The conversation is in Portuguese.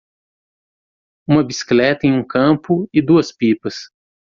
Uma bicicleta em um campo e duas pipas